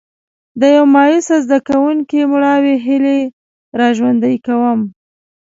د یو مایوسه زده کوونکي مړاوې هیلې را ژوندي کوم.